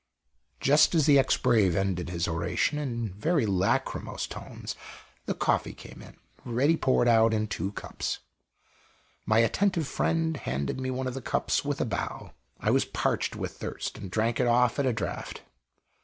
Just as the ex brave ended his oration in very lachrymose tones, the coffee came in, ready poured out in two cups. My attentive friend handed me one of the cups with a bow. I was parched with thirst, and drank it off at a draught.